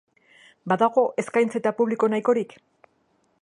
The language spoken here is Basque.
Badago eskaintza eta publiko nahikorik?